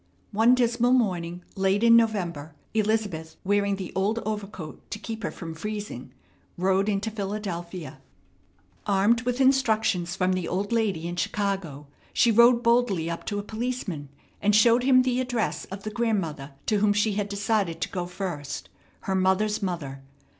One dismal morning, late in November, Elizabeth, wearing the old overcoat to keep her from freezing, rode into Philadelphia. Armed with instructions from the old lady in Chicago, she rode boldly up to a policeman, and showed him the address of the grandmother to whom she had decided to go first, her mother's mother.